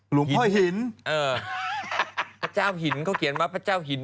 หลวงพ่อหินเออพระเจ้าหินเขาเขียนว่าพระเจ้าหิน